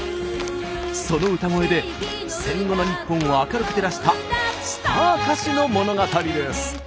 その歌声で戦後の日本を明るく照らしたスター歌手の物語です。